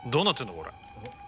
これ。